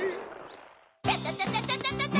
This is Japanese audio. タタタタタタタ！